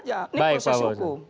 ini proses hukum